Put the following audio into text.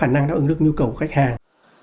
khả năng đáp ứng được nhu cầu của khách hàng